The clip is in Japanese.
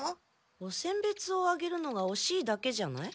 おせん別をあげるのがおしいだけじゃない？